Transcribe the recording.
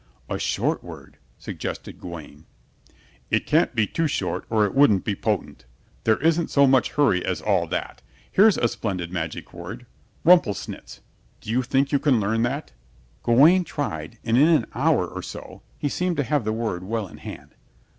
"A short word," suggested Gawaine. "It can't be too short or it wouldn't be potent. There isn't so much hurry as all that. Here's a splendid magic word: 'Rumplesnitz.' Do you think you can learn that?" Gawaine tried and in an hour or so he seemed to have the word well in hand.